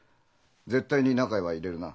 絶対に中へは入れるな。